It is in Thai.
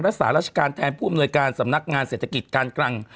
รัฐศาสตร์รัชการแทนผู้อำนวยการสำนักงานเศรษฐกิจกลาง